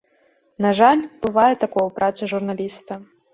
На жаль, бывае такое ў працы журналіста.